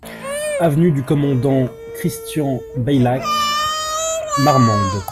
Avenue du Commandant Christian Baylac, Marmande